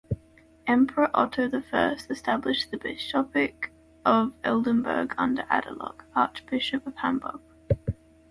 Emperor Otto the First established the bishopric of Oldenburg under Adaldag, archbishop of Hamburg.